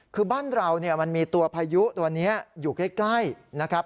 คือบ้านเราเนี่ยมันมีตัวพายุตัวนี้อยู่ใกล้นะครับ